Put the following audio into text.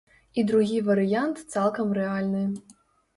І другі варыянт цалкам рэальны.